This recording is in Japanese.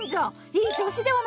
いい調子ではないか。